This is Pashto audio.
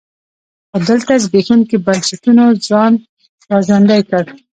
خو دلته زبېښونکي بنسټونو ځان را ژوندی کړ.